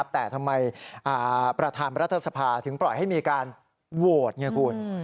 แต่ทำไมประธานรัฐสภาถึงปล่อยให้มีการโหวตไงคุณ